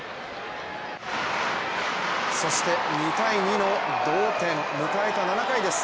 そして２−２の同点迎えた７回です。